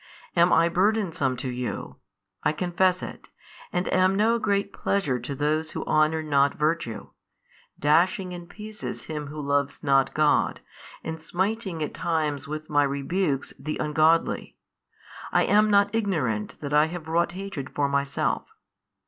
I am burdensome to you, I confess it, and am no great pleasure to those who honour not virtue; dashing in pieces him who loves not |537 God, and smiting at times with My rebukes the ungodly, I am not ignorant that I have wrought hatred for Myself.